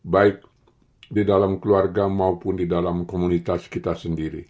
baik di dalam keluarga maupun di dalam komunitas kita sendiri